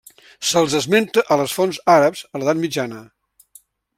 Se'ls esmenta a les fonts àrabs a l'edat mitjana.